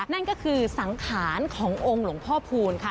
นั่นก็คือสังขารขององค์หลวงพ่อพูนค่ะ